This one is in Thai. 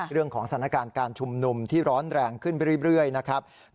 สถานการณ์การชุมนุมที่ร้อนแรงขึ้นไปเรื่อยนะครับ